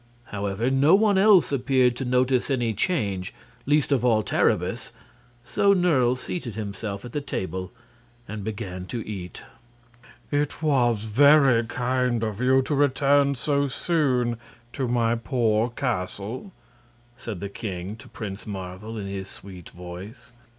However, no one else appeared to notice any change least of all Terribus so Nerle seated himself at the table and began to eat. "It was very kind of you to return so soon to my poor castle," said the king to Prince Marvel, in his sweet voice.